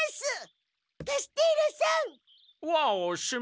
カステーラさん！